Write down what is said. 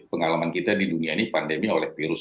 pengalaman kita di dunia ini pandemi oleh virus